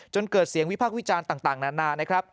จนเกิดเสียงวิพากษ์วิจารณ์ต่างนาน